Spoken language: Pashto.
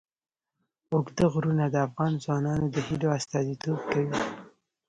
اوږده غرونه د افغان ځوانانو د هیلو استازیتوب کوي.